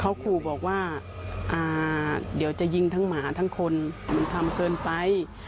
เขาขู่บอกว่าเดี๋ยวจะยิงทั้งหมาทั้งคนมันทำเกินไป